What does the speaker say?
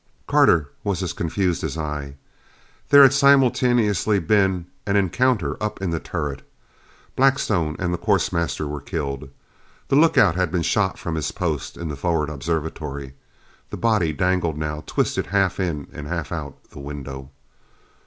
Carter was as confused as I. There had simultaneously been an encounter up in the turret. Blackstone and the course master were killed. The lookout had been shot from his post in the forward observatory. The body dangled now, twisted half in and half out the window.